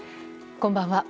こんばんは。